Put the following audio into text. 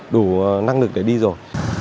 đủ năng lực để đi rồi